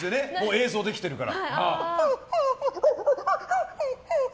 映像できてるから。